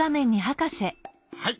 はい。